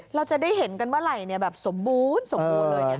เราจะได้เห็นกันเมื่อไหร่แบบสมบูรณ์สมบูรณ์เลย